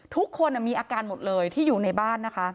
ทุกคนมีอาการหมดเลยที่อยู่ในบ้านนะคะ